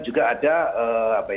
juga ada apa ya